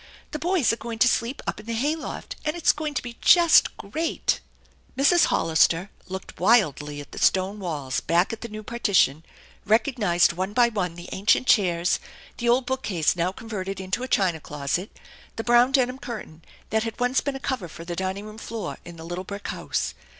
The boys are going to sleep up in the hay loft, and it's going to be just great \' J Mrs. Hollister looked wildly at the stone walls, back at the new partition, recognized one by one the ancient chairs, the old bookcase now converted into a china closet, the brown denim curtain that had once been a cover for the dining room floor in the little brick house.